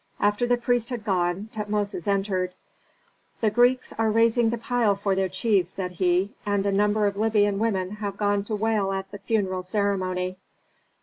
After the priest had gone, Tutmosis entered. "The Greeks are raising the pile for their chief," said he, "and a number of Libyan women have agreed to wail at the funeral ceremony."